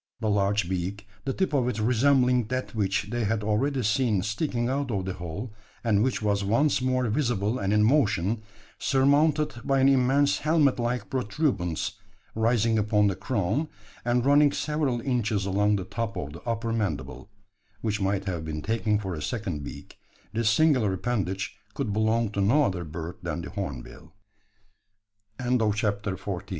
The large beak the tip of it resembling that which they had already seen sticking out of the hole, and which was once more visible and in motion surmounted by an immense helmet like protuberance, rising upon the crown, and running several inches along the top of the upper mandible, which might have been taken for a second beak this singular appendage could belong to no other bird than the hornbill. CHAPTER FIFTEE